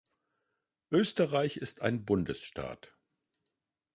Österreich ist ein Bundesstaat.